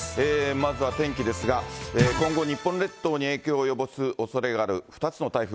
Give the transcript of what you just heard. まずは天気ですが、今後、日本列島に影響を及ぼすおそれがある２つの台風。